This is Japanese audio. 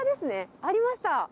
ありました！